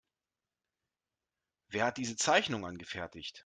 Wer hat diese Zeichnung angefertigt?